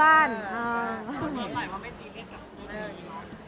หมายความว่าไม่ซีเรียสกับดีตี